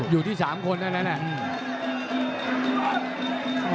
อยู่ที่๓คนแล้วนะเนี่ย